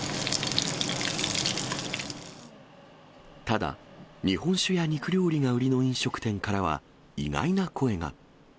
ただ、日本酒や肉料理が売りの飲食店からは、意外な声が。